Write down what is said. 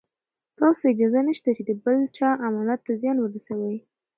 تاسو ته اجازه نشته چې د بل چا امانت ته زیان ورسوئ.